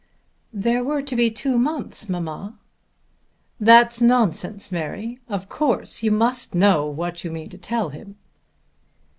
"There were to be two months, mamma." "That's nonsense, Mary. Of course you must know what you mean to tell him."